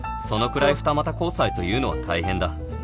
そのくらい二股交際というのは大変だ